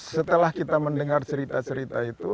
setelah kita mendengar cerita cerita itu